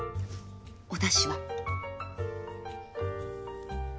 おだしは？